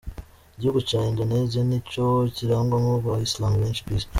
Igihugu ca Indoneziya ni co kirangwamwo aba Islam benshi kw'isi.